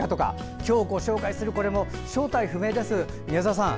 今日ご紹介するこれも正体不明です。